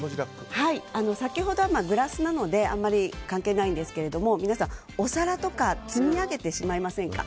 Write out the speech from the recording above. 先ほどの写真はグラスなのであまり関係ないんですが皆さん、お皿とか積み上げてしまいませんか？